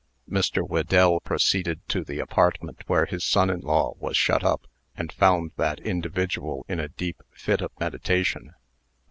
Mr. Whedell proceeded to the apartment where his son in law was shut up, and found that individual in a deep fit of meditation.